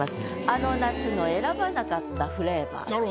「あの夏の選ばなかったフレイバー」と。